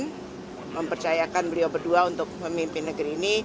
dan mempercayakan beliau berdua untuk memimpin